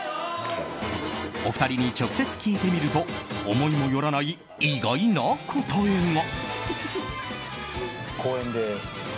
お二人に直接聞いてみると思いもよらない意外な答えが。